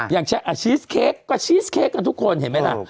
อย่างชีสเค้กก็ชีสเค้กกันทุกคนเห็นไหมล่ะ